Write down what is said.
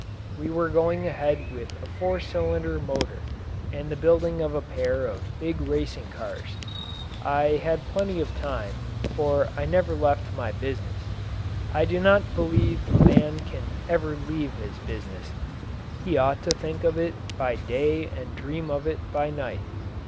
We were going ahead with a four cylinder motor and the building of a pair of big racing cars. I had plenty of time, for I never left my business. I do not believe a man can ever leave his business. He ought to think of it by day and dream of it by night.